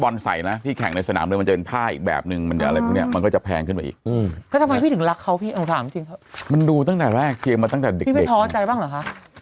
แล้วมีใส่เสื้อแล้วตัวนี้เลยต้องเปลี่ยนเสื้อก่อนนี่ชะหร้องวางขายวันแรกทั่วโลก